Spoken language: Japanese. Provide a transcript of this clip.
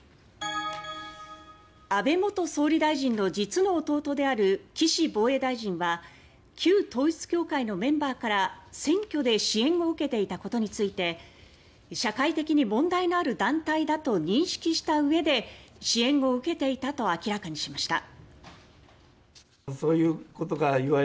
安倍元総理大臣の実の弟である岸防衛大臣は旧統一教会のメンバーから選挙で支援を受けていたことについて社会的に問題のある団体だと認識したうえで支援を受けていたと明かにしました。